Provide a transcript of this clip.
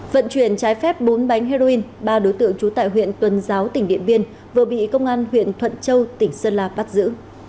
vận chuyển trái phép bốn bánh heroin ba đối tượng trú tại huyện tuần giáo tỉnh điện biên vừa bị công an huyện thuận châu tỉnh sơn la bắt giữ